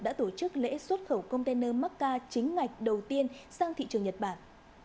đã tổ chức lễ xuất khẩu container macca chính ngạch đầu tiên sang thị trường nhật bản